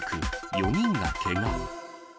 ４人がけが。